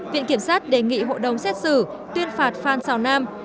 viện kiểm sát đề nghị hội đồng xét xử tuyên phạt phan xào nam